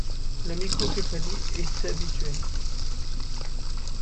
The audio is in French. La microcéphalie est habituelle.